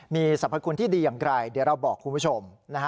มีสรรพคุณที่ดีอย่างไรเดี๋ยวเราบอกคุณผู้ชม